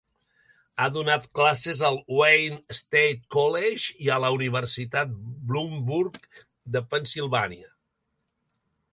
Ha donat classes al Wayne State College i a la Universitat Bloomsburg de Pennsilvània.